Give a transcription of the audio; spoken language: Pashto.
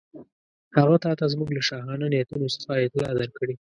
هغه تاته زموږ له شاهانه نیتونو څخه اطلاع درکړې.